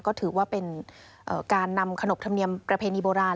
ก็ถือว่าเป็นการนำขนบธรรมเนียมประเพณีโบราณ